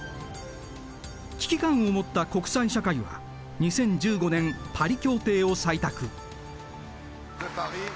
危機感を持った国際社会は２０１５年パリ協定を採択。